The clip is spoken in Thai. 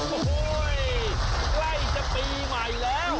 โอ้โหใกล้จะปีใหม่แล้ว